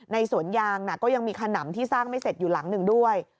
สวนยางก็ยังมีขนำที่สร้างไม่เสร็จอยู่หลังหนึ่งด้วย